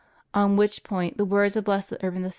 On which point the words of Blessed Urban V.